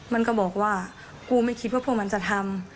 มันก็บอกว่ากูไม่คิดว่าพวกมันจะทำ